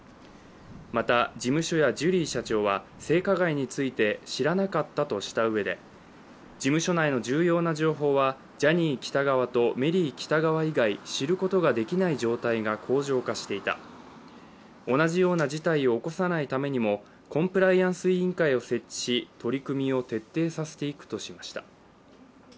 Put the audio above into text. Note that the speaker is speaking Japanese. また、事務所やジュリー社長は性加害について知らなかったとしたうえで、事務所内の重要な情報はジャニー喜多川とメリー喜多川以外知ることができない状態が恒常化していた、同じような事態を起こさないためにも、コンプライアンス委員会を設置し取り組みを徹底させていくとしました。